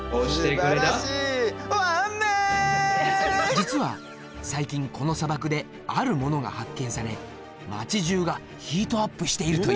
実は最近この砂漠である物が発見され町じゅうがヒートアップしているというんだ。